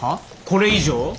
これ以上？